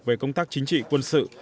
về công tác chính trị quân sự